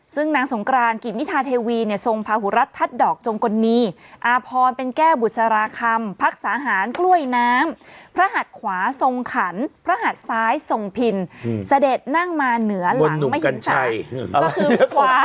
ซึ่งนางสงกรานกิมนิทาเทวีทัดดอกจงกรณีอาพรเป็นแก้บุษราคำพรรคสาหารกล้วยน้ำพระหัดขวาทรงขันพระหัดซ้ายทรงพินเสด็จนั่งมาเหนือหลังมหิงสา